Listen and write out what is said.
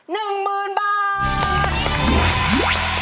๑หมื่นบาท